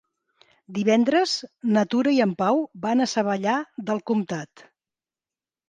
Divendres na Tura i en Pau van a Savallà del Comtat.